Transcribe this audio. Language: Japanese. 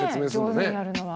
ねえ上手にやるのは。